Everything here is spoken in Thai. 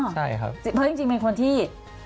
เพราะจริงเป็นคนที่